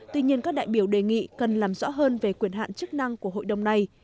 tuy nhiên các đại biểu đề nghị cần làm rõ hơn về quyền hạn chức năng của hội đồng này